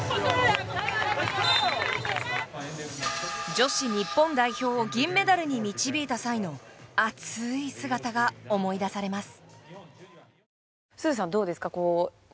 女子日本代表を銀メダルに導いた際の熱い姿が思い出されます。